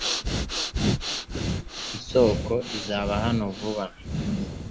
Isoko izaba hano vuba .